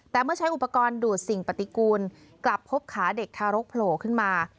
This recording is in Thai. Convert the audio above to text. แต่เมื่อใช้อุปกรณ์ดูดสิ่งปฏิกูลกลับพบขาเด็กทารกโผล่ขึ้นมา